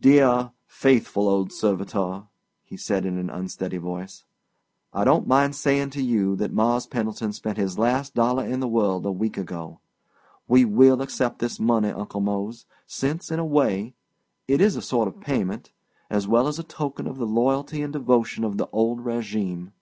"Dear, faithful, old servitor," he said in an unsteady voice, "I don't mind saying to you that ''Mars' Pendleton spent his last dollar in the world a week ago. We will accept this money, Uncle Mose, since, in a way, it is a sort of payment, as well as a token of the loyalty and devotion of the old régime.